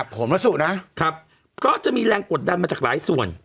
ผมและสุนะครับก็จะมีแรงกดดันมาจากหลายส่วน